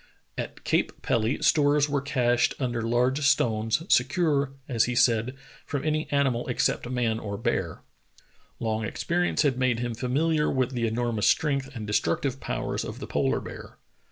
At Cape Pelly stores were cached under large stones, secure, as he said, from any animal except man or bear. Long experience had made him familiar with the enormous strength and destruc tive powers of the polar bear.